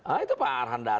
ah itu pak arhan datar